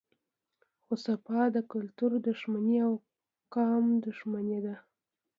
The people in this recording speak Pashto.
خو صفا د کلتور دښمني او قام دښمني ده